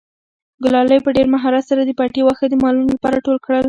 ګلالۍ په ډېر مهارت سره د پټي واښه د مالونو لپاره ټول کړل.